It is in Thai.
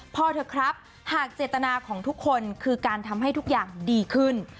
เถอะครับหากเจตนาของทุกคนคือการทำให้ทุกอย่างดีขึ้น